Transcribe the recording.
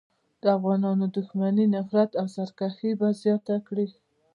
د افغانانو دښمني، نفرت او سرکښي به زیاته کړي.